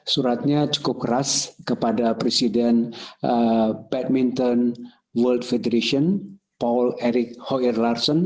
suratnya cukup keras kepada presiden badminton world federation paul erick hoir larsen